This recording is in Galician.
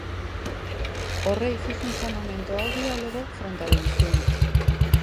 O rei fixo un chamamento ao diálogo fronte á división.